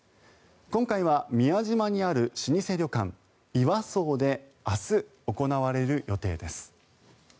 今回は宮島にある老舗旅館岩惣で明日、行われる予定です。